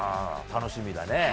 楽しみだね。